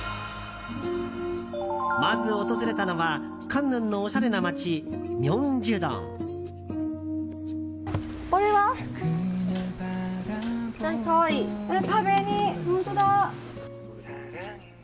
まず訪れたのはカンヌンのおしゃれな街ミョンジュドン。